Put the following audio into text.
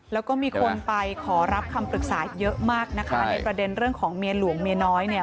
แล้วก็มีคนไปขอรับคำปรึกษาเยอะมากนะคะในประเด็นเรื่องของเมียหลวงเมียน้อยเนี่ย